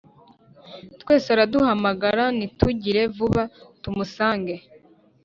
Twese araduhamagara nitugire vuba tumusange